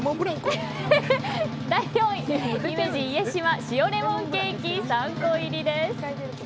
第４位姫路家島塩レモンケーキ３個入。